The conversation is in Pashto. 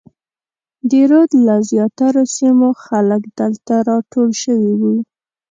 د رود له زیاترو سیمو خلک دلته راټول شوي وو.